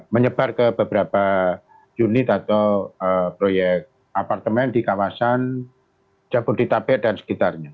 menyebar ke beberapa unit atau proyek apartemen di kawasan jabodetabek dan sekitarnya